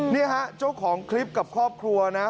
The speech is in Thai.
นี่ฮะเจ้าของคลิปกับครอบครัวนะ